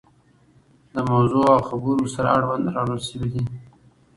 له موضوع او خبور سره اړوند راوړل شوي دي.